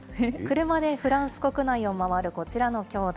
車でフランス国内を回るこちらの兄弟。